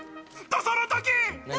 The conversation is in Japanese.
とその時。